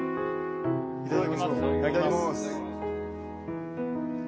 いただきます。